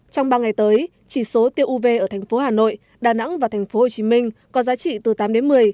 trong ba ngày tới chỉ số tiêu uv ở thành phố hà nội đà nẵng và thành phố hồ chí minh có giá trị từ tám đến một mươi